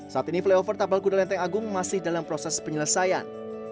saat ini flyover tapal kuda lenteng agung masih dalam proses penyelesaian